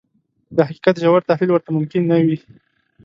د حقيقت ژور تحليل ورته ممکن نه وي.